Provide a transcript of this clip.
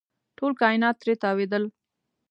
ټول کاینات ترې تاوېدل.